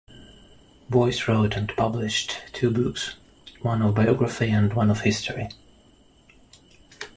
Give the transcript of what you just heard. Boece wrote and published two books, one of biography and one of history.